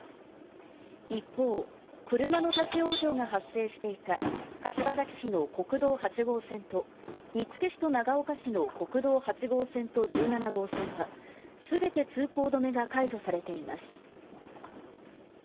一方車の立ち往生が発生していた柏崎市の国道８号線と見附市と長岡市の国道８号線と１７号線は全て通行止めが解除されています。